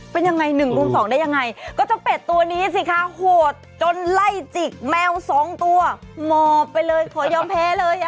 เป็นยังไง๑รุ่น๒ได้ยังไงก็จะเป็ดตัวนี้สิคะโหดจนไล่จิกแมว๒ตัวหมอบไปเลยขอยอมแพ้เลยอะ